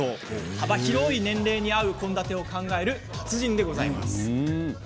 幅広い年齢に合う献立を考える達人です。